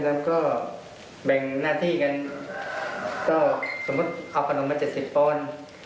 ทำงานมีตังเห็นเขาก็ขยัน